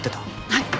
はい。